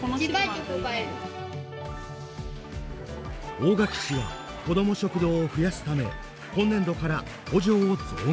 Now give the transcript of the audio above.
大垣市は子ども食堂を増やすため今年度から補助を増額。